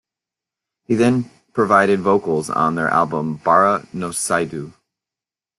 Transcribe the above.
He then provided vocals on their album "Bara no Seidou".